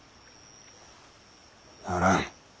ならん。